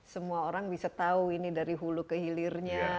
semua orang bisa tahu ini dari hulu ke hilirnya